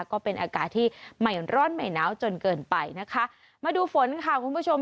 ก็เป็นอากาศที่ใหม่ร้อนใหม่น้าวจนเกินไปนะคะมาดูฝนค่ะคุณผู้ชม